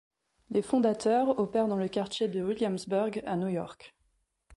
Les fondateurs opèrent dans le quartier de Williamsburg à New York.